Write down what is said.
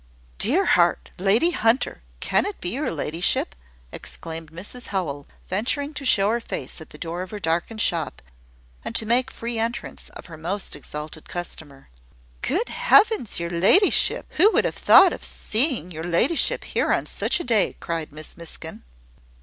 "Dear heart! Lady Hunter! Can it be your ladyship?" exclaimed Mrs Howell, venturing to show her face at the door of her darkened shop, and to make free entrance for her most exalted customer. "Good heavens! your ladyship! Who would have thought of seeing your ladyship here on such a day?" cried Miss Miskin.